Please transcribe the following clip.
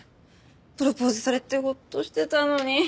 プロポーズされてホッとしてたのに。